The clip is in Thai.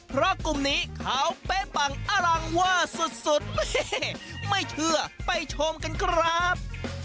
เพราะกลุ่มนี้เขาเป๊ะปังอลังเวอร์สุดไม่เชื่อไปชมกันครับ